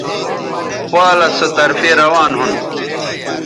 پالس سو طرفے روان ھون